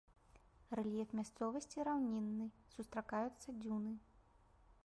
Рэльеф мясцовасці раўнінны, сустракаюцца дзюны.